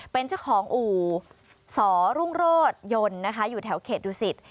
เป็นเจ้าของอู๋สรุ่งโรดยนต์อยู่แถวเขตดูสิทธิ์